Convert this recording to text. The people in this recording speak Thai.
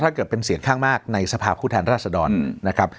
เกิดเป็นเสียงข้างมากในสภาพผู้แทนราชดรนะครับ